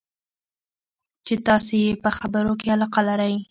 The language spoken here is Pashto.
چې تاسې یې په خبرو کې علاقه لرئ.